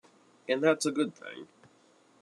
And that's a good thing.